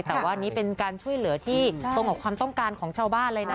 แต่ว่านี่เป็นการช่วยเหลือที่ตรงกับความต้องการของชาวบ้านเลยนะ